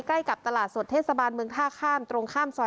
ใกล้กับตลาดสดเทศบานเมืองท่าข้าม